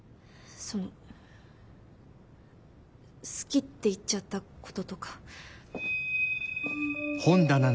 その「好き」って言っちゃったこととか。